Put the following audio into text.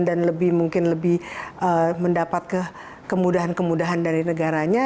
dan lebih mungkin lebih mendapat kemudahan kemudahan dari negaranya